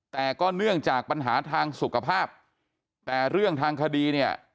แต่ก็เนื่องจากปัญหาทางสุขภาพแต่เรื่องทางคดีเนี่ย